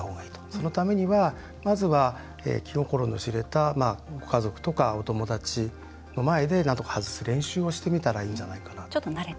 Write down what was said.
そのためにはまずは気心の知れた家族とかお友達の前でなんとか外す練習をしてみたらいいんじゃないか。